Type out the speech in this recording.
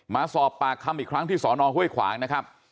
มาสอบปากคำอีกครั้งที่สอนอห้วยขวางนะครับ